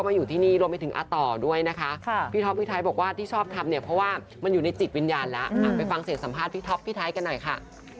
สัมภาษณ์พี่ท็อปพี่ไทยกันหน่อยค่ะ